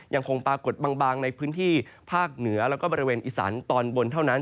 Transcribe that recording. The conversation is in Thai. ยังคงปรากฏบางในพื้นที่ภาคเหนือแล้วก็บริเวณอีสานตอนบนเท่านั้น